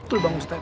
betul bang ustaz